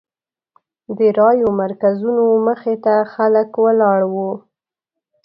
د رایو مرکزونو مخې ته خلک ولاړ وو.